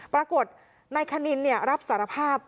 ปรากฏนายคณินรับสารภาพ